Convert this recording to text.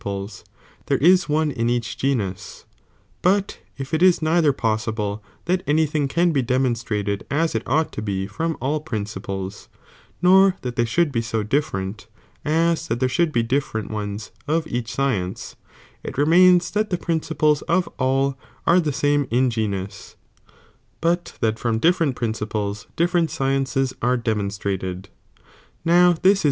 piea^ there is one in each genus, but if it ia nei ther possible that any thing cnn be demonstrated as it ought to be from all (principles), nor that Ihey shotild be so different, as that there should be different ones of each science, it re mains that the principles of all are the same in iptcie*'^^' '" g8uu3,J but that from different principles differ ent sciences (are demonstrated). Now this is